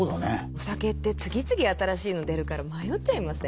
お酒って次々新しいの出るから迷っちゃいません？